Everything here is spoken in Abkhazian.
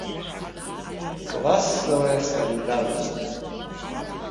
Классоваиа солидарност.